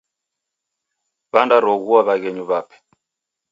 Wandaroghua w'aghenyu w'ape.